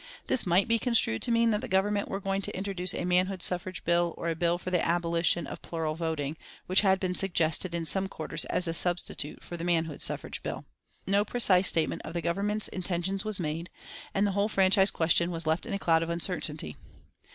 This might be construed to mean that the Government were going to introduce a manhood suffrage bill or a bill for the abolition of plural voting, which had been suggested in some quarters as a substitute for the manhood suffrage bill. No precise statement of the Government's intentions was made, and the whole franchise question was left in a cloud of uncertainty.